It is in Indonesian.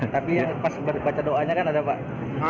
tapi pas baca doanya kan ada pak